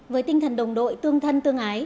với tinh thần đồng đội tương thân tương ái